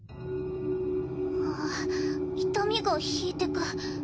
あぁ痛みが引いてく。